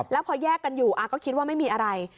แล้วพอแยกกันอยู่ก็คิดว่าไม่มีอะไร